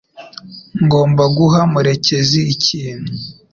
Ngomba guha murekezi ikintu